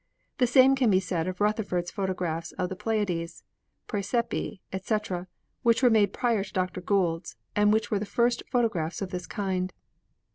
The same can be said of Rutherfurd's photographs of the Pleiades, Praesepe, etc., which were made prior to Dr. Gould's, and which were the first photographs of this kind."